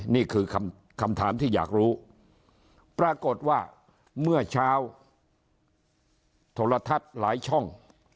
นี่คือคำถามที่อยากรู้ปรากฏว่าเมื่อเช้าโทรทัศน์หลายช่อง